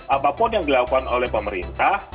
apapun yang dilakukan oleh pemerintah